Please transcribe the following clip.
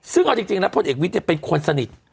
ซึ่งเอาจริงแล้วพลเอกวิทย์เป็นคนสนิท